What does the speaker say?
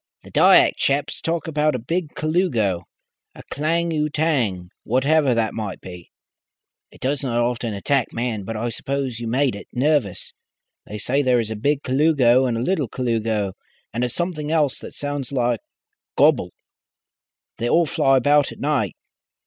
"The Dyak chaps talk about a Big Colugo, a Klang utang whatever that may be. It does not often attack man, but I suppose you made it nervous. They say there is a Big Colugo and a Little Colugo, and a something else that sounds like gobble. They all fly about at night.